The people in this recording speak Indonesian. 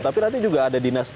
tapi nanti juga ada dinas